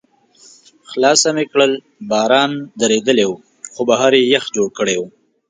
خلاصه مې کړل، باران درېدلی و، خو بهر یې یخ جوړ کړی و.